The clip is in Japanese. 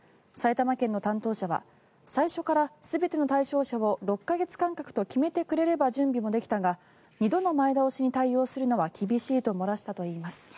埼玉県の担当者は最初から全ての対象者を６か月間隔と決めてくれれば準備もできたが２度の前倒しに対応するのは厳しいと漏らしたといいます。